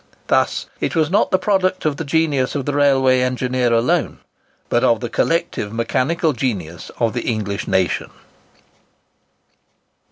Thus, it was not the product of the genius of the railway engineer alone, but of the collective mechanical genius of the English nation.